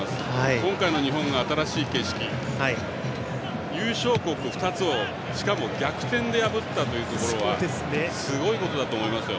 今回の日本が新しい景色優勝国２つを、しかも逆転で破ったというところはすごいことだと思いますよ。